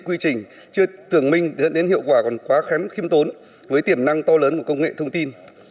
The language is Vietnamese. quy trình chưa tưởng minh dẫn đến hiệu quả còn quá khếm khiêm tốn với tiềm năng to lớn của công nghệ thông tin